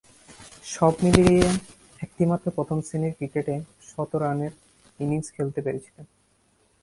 সবমিলিয়ে একটিমাত্র প্রথম-শ্রেণীর ক্রিকেটে শতরানের ইনিংস খেলতে পেরেছিলেন।